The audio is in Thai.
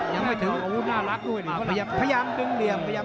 ยังไม่ถึงพยายามดึงเหลี่ยม